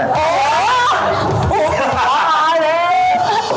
โอ้หอหอเลย